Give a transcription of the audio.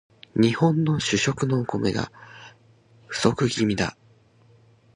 日本の主食のお米が不足気味だ